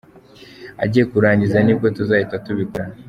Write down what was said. Agiye kurangiza , nibwo tuzahita tubikora.